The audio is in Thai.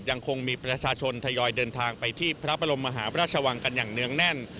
ยังคงมีประชาชนทยอยเดินทางไปที่พระบรมมหาพระราชวังกันอย่างเนื่องแน่น